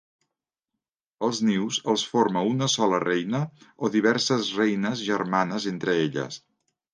Els nius els forma una sola reina o diverses reines germanes entre elles.